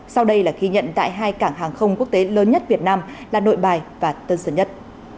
sau đây là ghi nhận tại hai cảng hàng không quốc tế lớn nhất việt nam là nội bài và tân sơn nhất